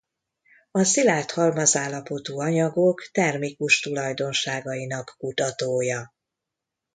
A szilárd halmazállapotú anyagok termikus tulajdonságainak kutatója.